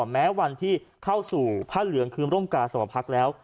แม้วันที่เข้าสู่ผ้าเหลืองคือร่มกาสมพักแล้ว